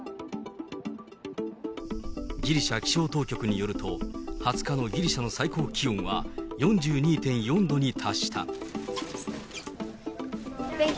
ギリシャ気象当局によると、２０日のギリシャの最高気温は４２．４度に達した。